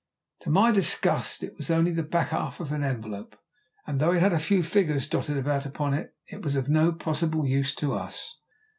To my disgust it was only the back half of an envelope, and though it had a few figures dotted about upon it, was of no possible use to us.